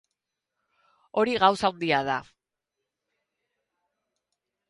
Hori gauza handia da.